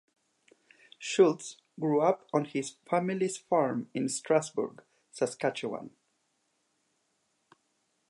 Schultz grew up on his family's farm in Strasbourg, Saskatchewan.